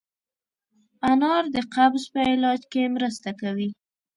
انار د قبض په علاج کې مرسته کوي.